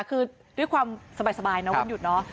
คือด้วยความสบายนะวันหยุดเนอะ